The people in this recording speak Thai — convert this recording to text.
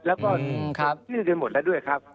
แล้วก็เชื่อเงินหมดแล้วด้วยครับ